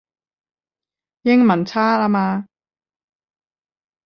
英文差吖嘛